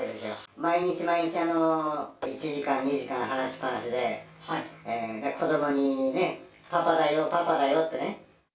毎日毎日、１時間、２時間、話しっ放しで、子どもにね、パパだよ、パパだよってね。